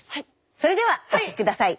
それではお聴き下さい。